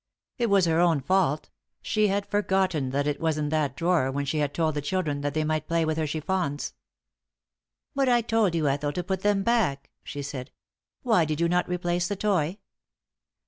It was her own fault; she had forgotten that it was in that drawer when she had told the children that they might play with her chiffons. "But I told you, Ethel, to put them back," she said. "Why did you not replace the toy?"